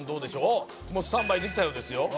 おっもうスタンバイできたようですよ